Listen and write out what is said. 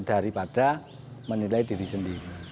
daripada menilai diri sendiri